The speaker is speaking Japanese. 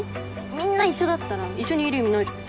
みんな一緒だったら一緒にいる意味ないじゃん。